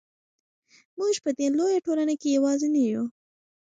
موږ په دې لویه ټولنه کې یوازې نه یو.